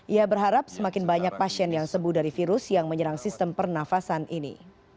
ia berharap semakin banyak pasien yang sembuh dari virus yang menyerang sistem pernafasan ini